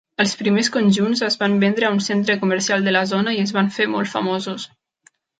Els primers conjunts es van vendre a un centre comercial de la zona i es van fer molt famosos.